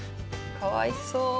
かわいそう。